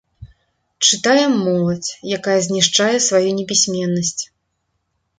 Чытае моладзь, якая знішчае сваю непісьменнасць.